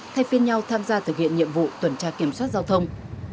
thay phiên nhau tham gia thực hiện nhiệm vụ tuần tra kiểm soát giao thông